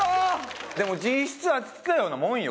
でも実質当てたようなもんよ